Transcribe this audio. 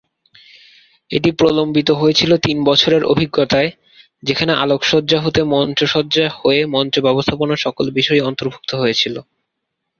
এটি প্রলম্বিত হয়েছিল তিন বছরের অভিজ্ঞতায়, যেখানে আলোকসজ্জা হতে মঞ্চ সজ্জা হয়ে মঞ্চ ব্যবস্থাপনা সকল বিষয়ই অন্তর্ভুক্ত হয়েছিল।